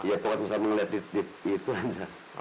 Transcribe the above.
iya pokoknya saya melihat di tv itu aja